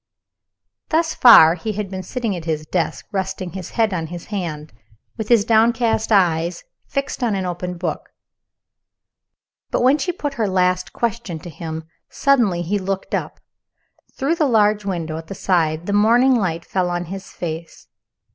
Thus far, he had been sitting at his desk, resting his head on his hand, with his downcast eyes fixed on an open book. When she put her last question to him he suddenly looked up. Through the large window at his side the morning light fell on his face.